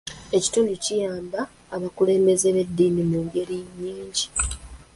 Ekitundu kiyamba abakulembeze b'eddiini mu ngeri nyingi .